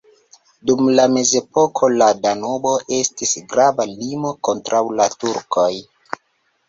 Dum la mezepoko la Danubo estis grava limo kontraŭ la turkoj.